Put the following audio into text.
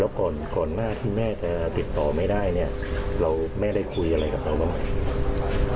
แล้วก่อนหน้าที่แม่จะติดตามไม่ได้แม่ได้คุยอะไรกับนายหรือไร